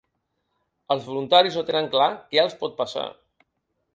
Els voluntaris no tenen clar què els pot passar.